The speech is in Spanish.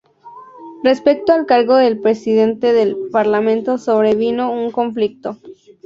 Respecto al cargo de Presidente del Parlamento sobrevino un conflicto.